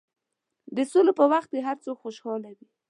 د سولې په وخت کې هر څوک خوشحاله وي.